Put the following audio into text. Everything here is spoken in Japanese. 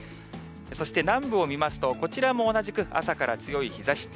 そして南部を見ますと、こちらも同じく朝から強い日ざし。